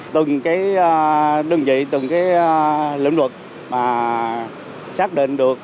từng đơn vị từng lĩnh vực xác định được